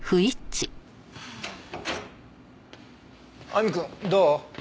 亜美くんどう？